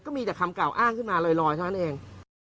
มีแต่คำกล่าวอ้างขึ้นมาลอยเท่านั้นเอง